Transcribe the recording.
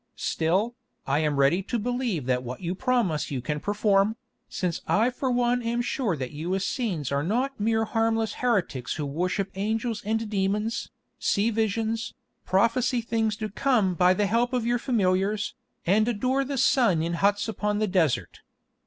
Still, I am ready to believe that what you promise you can perform, since I for one am sure that you Essenes are not mere harmless heretics who worship angels and demons, see visions, prophesy things to come by the help of your familiars, and adore the sun in huts upon the desert."